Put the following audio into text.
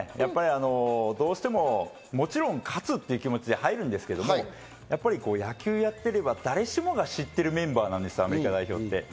どうしても、もちろん勝つという気持ちで入るんですけど、野球をやっていれば誰しもが知ってるメンバーなんです、アメリカ代表って。